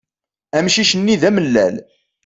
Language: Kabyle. Amcic-nni d amellal.